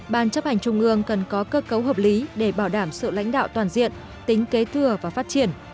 ban chấp hành trung ương cần có cơ cấu hợp lý để bảo đảm sự lãnh đạo toàn diện tính kế thừa và phát triển